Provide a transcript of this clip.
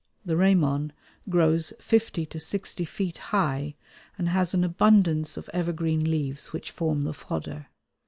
The ramon grows fifty to sixty feet high and has an abundance of evergreen leaves which form the fodder.